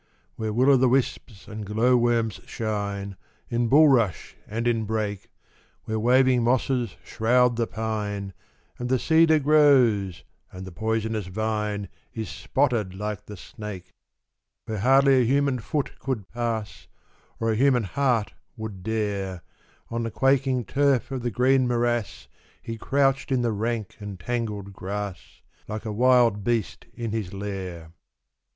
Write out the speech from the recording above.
Where will o' the wisps and glowworms shine, In bulrush and in brake; Where waving mosses shroud the pine, And the cedar grows, and the poisonous vine Is spotted like the snake; Where hardly a human foot could pass, Or a human heart would dare, On the quaking turf of the green morass He crouched in the rank and tangled grass, Like a wild beast in his lair.